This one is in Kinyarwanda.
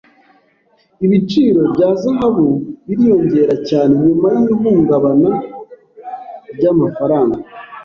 Ibiciro bya zahabu biriyongera cyane nyuma y’ihungabana ry’amafaranga.